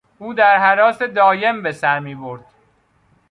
او در هراس دایم بسر میبرد.